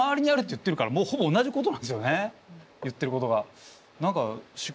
言ってることが。